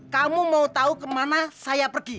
kamu mau tahu kemana saya pergi